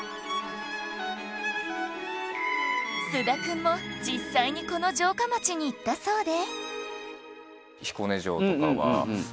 菅田くんも実際にこの城下町に行ったそうで